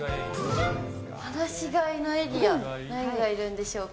放し飼いのエリア、何がいるんでしょうか。